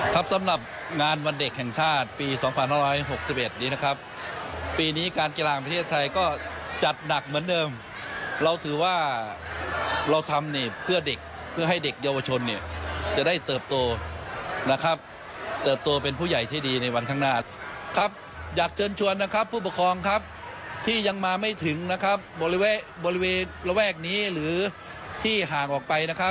สำหรับงานวันเด็กแห่งชาติปี๒๕๖๑นี้นะครับปีนี้การกีฬาแห่งประเทศไทยก็จัดหนักเหมือนเดิมเราถือว่าเราทำเนี่ยเพื่อเด็กเพื่อให้เด็กเยาวชนเนี่ยจะได้เติบโตนะครับเติบโตเป็นผู้ใหญ่ที่ดีในวันข้างหน้าครับอยากเชิญชวนนะครับผู้ปกครองครับที่ยังมาไม่ถึงนะครับบริเวณบริเวณระแวกนี้หรือที่ห่างออกไปนะครับ